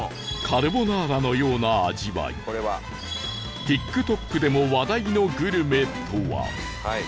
カルボナーラのような味わいティックトックでも話題のグルメとは？